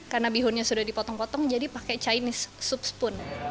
karena bihunnya sudah dipotong potong jadi pakai chinese soup spoon